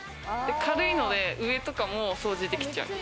軽いので上とかも掃除できちゃう。